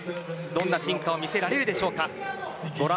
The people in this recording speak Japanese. どんな進化を見せられるでしょうか。